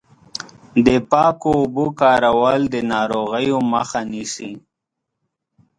د پاکو اوبو کارول د ناروغیو مخه نیسي.